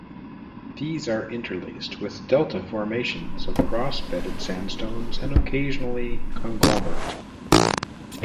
These are interlaced with delta formations of cross-bedded sandstones and occasionally conglomerate.